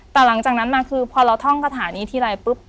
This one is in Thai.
แต่หลังจากนั้นมาคือพอเราท่องคาถานี้ทีไรปุ๊บ